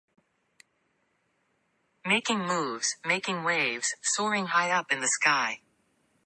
Making moves, making waves, soaring high up in the sky.